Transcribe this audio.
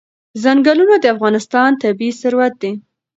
ځنګلونه د افغانستان طبعي ثروت دی.